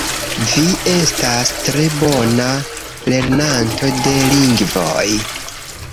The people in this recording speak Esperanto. Vi estas tre bona lernanto de lingvoj